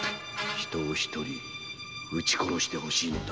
人を一人撃ち殺してほしいのだ。